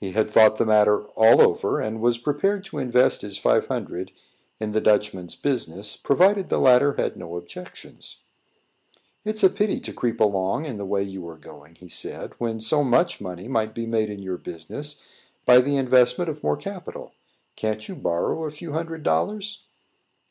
He had thought the matter all over, and was prepared to invest his five hundred dollars in the Dutchman's business, provided the latter had no objections. "It's a pity to creep along in the way you are going," he said, "when so much money might be made in your business by the investment of more capital. Can't you borrow a few hundred dollars?"